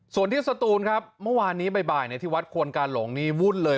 ส่วนที่สตูนครับเมื่อวานนี้บ่ายที่วัดควรกาหลงนี่วุ่นเลย